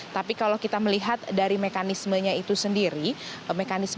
tapi kalau kita melihat dari mekanismenya itu sendiri mekanisme